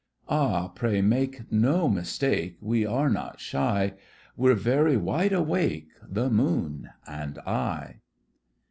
Ah, pray make no mistake, We are not shy; We're very wide awake, The moon and I!